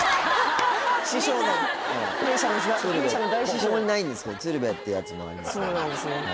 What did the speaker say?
ここにないんですけど「鶴瓶」ってやつもあります